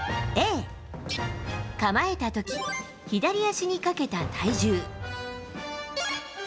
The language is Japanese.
Ａ、構えたとき左足にかけた体重。